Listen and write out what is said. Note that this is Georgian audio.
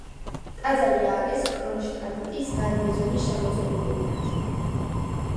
ტაძარი ააგეს კრონშტადტის გარნიზონის შემოწირულობებით.